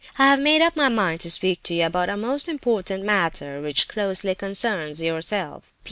I have made up my mind to speak to you about a most important matter which closely concerns yourself.